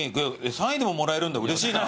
３位でももらえるんだうれしいな。